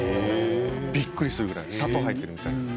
びっくりするぐらい砂糖が入っているみたい。